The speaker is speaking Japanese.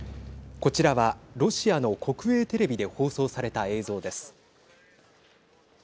こちらはロシアの国営テレビで放送された映像です。